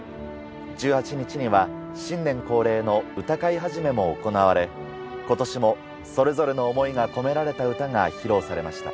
１８日には新年恒例の歌会始も行われ今年もそれぞれの思いが込められた歌が披露されました。